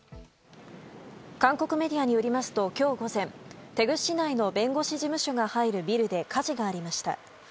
韓国メディアによりますと今日午前テグ市内の弁護士事務所が入るビルで火事がありました。